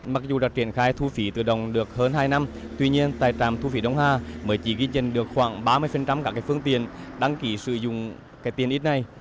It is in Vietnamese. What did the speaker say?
mặc dù đã triển khai thu phí tự động được hơn hai năm tuy nhiên tại trạm thu phí đông hà mới chỉ ghi chân được khoảng ba mươi các phương tiện đăng ký sử dụng tiền ít này